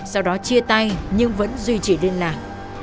sau đó chia tay nguyễn văn diễn đã được thừa nhận hành vi phạm tội